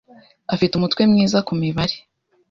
afite umutwe mwiza kumibare.